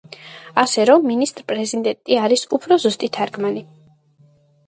ასე რომ „მინისტრ-პრეზიდენტი“ არის უფრო ზუსტი თარგმანი.